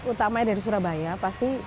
utamanya dari surabaya pasti